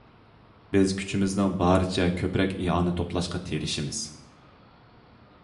بىز كۈچىمىزنىڭ بارىچە كۆپرەك ئىئانە توپلاشقا تېرىشىمىز.